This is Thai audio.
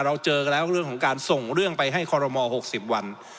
เราเจอกันแล้วเรื่องของการส่งเรื่องไปให้คอรมอ๖๐วัน